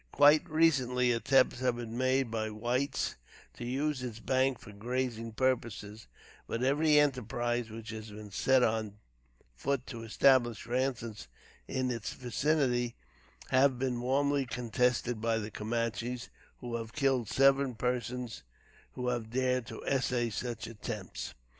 Quite recently, attempts have been made by whites to use its banks for grazing purposes, but every enterprise which has been set on foot to establish ranches in its vicinity, have been warmly contested by the Camanches, who have killed several persons who have dared to essay such attempts.